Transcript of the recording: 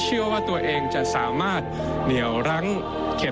เห็นความต้องการของท่าน